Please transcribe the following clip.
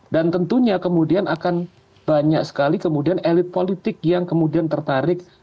dan tentunya kemudian akan banyak sekali kemudian elit politik yang kemudian tertarik